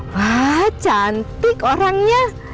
wah cantik orangnya